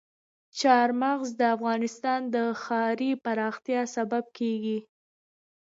چار مغز د افغانستان د ښاري پراختیا سبب کېږي.